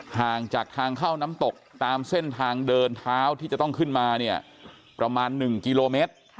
ห่างจากทางเข้าน้ำตกตามเส้นทางเดินเท้าที่จะต้องขึ้นมาเนี่ยประมาณ๑กิโลเมตร